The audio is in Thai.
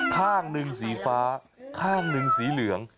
ข้างหนึ่งสีฟ้าข้างหนึ่งสีเหลือง